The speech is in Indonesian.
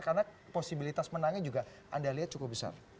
karena posibilitas menangnya juga anda lihat cukup besar